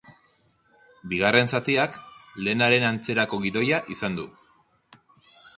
Bigarren zatiak lehenaren antzerako gidoia izan du.